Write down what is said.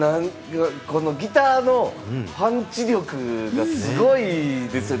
ギターのパンチ力がすごいですよ。